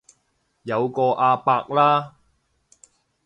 有個阿伯啦